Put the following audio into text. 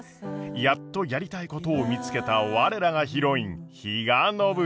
やっとやりたいことを見つけた我らがヒロイン比嘉暢子。